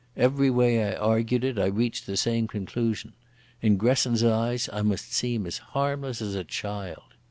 Every way I argued it I reached the same conclusion. In Gresson's eyes I must seem as harmless as a child.